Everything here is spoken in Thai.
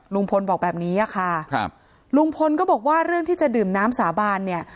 ลุงพลบอกแบบนี้อะค่ะครับลุงพลก็บอกว่าเรื่องที่จะดื่มน้ำสาบานเนี่ย